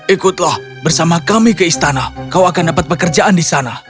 ikutlah bersama kami ke istana kau akan dapat pekerjaan di sana